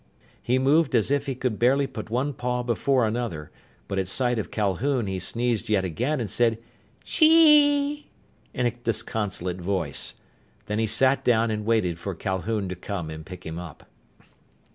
He moved as if he could barely put one paw before another, but at sight of Calhoun he sneezed yet again and said "Chee!" in a disconsolate voice. Then he sat down and waited for Calhoun to come and pick him up.